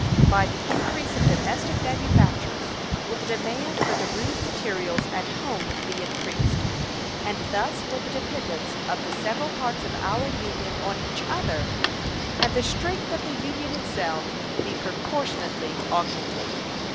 By the increase of domestic manufactures will the demand for the rude materials at home be increased, and thus will the dependence of the several parts of our Union on each other and the strength of the Union itself be proportionably augmented.